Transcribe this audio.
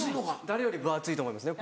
誰より分厚いと思いますね